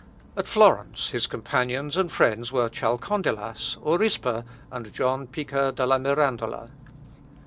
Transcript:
At Florence his companions and friends were Chalcondylas, Aurispa, and John Pica de Mirandola.